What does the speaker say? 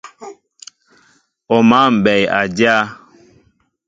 O máál mbɛy a dyá.